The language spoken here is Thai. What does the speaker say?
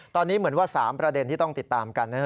ตอนนี้เหมือนว่า๓ประเด็นที่ต้องติดตามกันนะฮะ